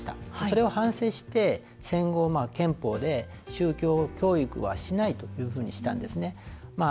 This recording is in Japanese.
それを反省して戦後、憲法で宗教教育はしないというふうにしたんですね。